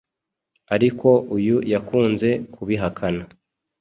ariko uyu yakunze kubihakana